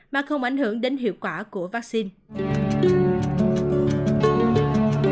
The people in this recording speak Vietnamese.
mà không ảnh hưởng đến hiệu quả của vaccine